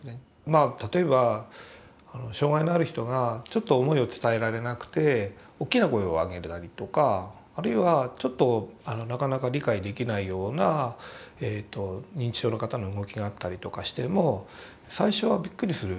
まあ例えば障害のある人がちょっと思いを伝えられなくておっきな声を上げたりとかあるいはちょっとなかなか理解できないような認知症の方の動きがあったりとかしても最初はびっくりする。